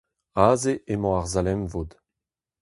Aze emañ ar sal-emvod.